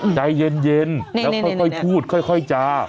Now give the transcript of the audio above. ใจเย็นแล้วค่อยพูดค่อยจา